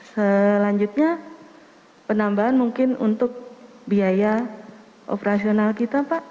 selanjutnya penambahan mungkin untuk biaya operasional kita pak